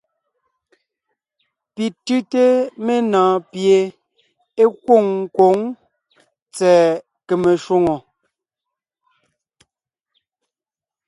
Pi tʉ́te menɔɔn pie é kwôŋ kwǒŋ tsɛ̀ɛ kème shwòŋo.